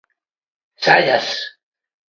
Xallas.